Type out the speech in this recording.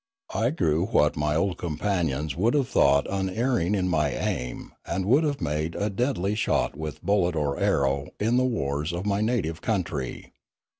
I grew what my old companions would have thought unerring in my aim and would have made a deadly shot with bullet or arrow in the wars of my native country.